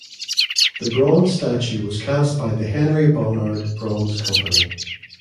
The bronze statue was cast by the Henry Bonnard Bronze Company.